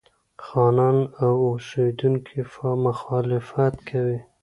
خانان او اوسېدونکي مخالفت کوي.